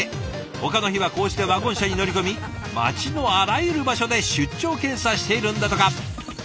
ほかの日はこうしてワゴン車に乗り込み街のあらゆる場所で出張検査しているんだとか。